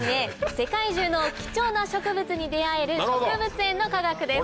世界中の貴重な植物に出合える植物園の科学です。